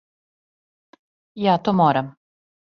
Ја то морам.